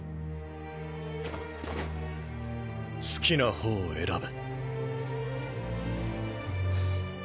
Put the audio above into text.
好きなほうを選べ。